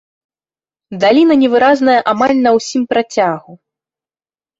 Даліна невыразная амаль на ўсім працягу.